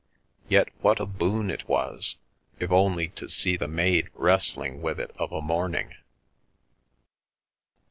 Yet what a boon it was — if only to see the maid wrestling with it of a morning.